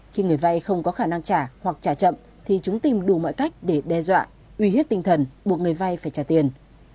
khi người vay không có khả năng trả hoặc trả chậm thì chúng tìm đủ mọi cách để đe dọa uy hiếp tinh thần buộc người vay phải trả tiền